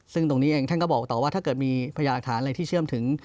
ซึ่งตรงนี้เองท่านก็บอกต่อว่าถ้าเกิดมีพยาหลักฐานอะไรที่เชื่อมถึง